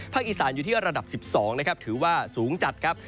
ภาคอีสานอยู่ที่ระดับ๑๒ถือว่าสูงจัด